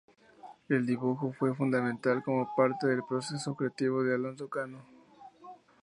El dibujo fue fundamental como parte del proceso creativo de Alonso Cano.